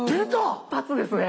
一発ですね。